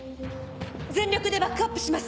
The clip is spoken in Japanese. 全力でバックアップします！